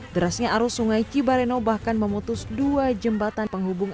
derasnya arus sungai cibareno bahkan memutus dua jembatan penghubung